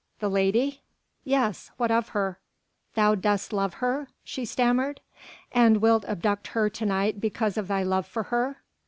"The lady?" "Yes. What of her?" "Thou dost love her?" she stammered, "and wilt abduct her to night because of thy love for her?"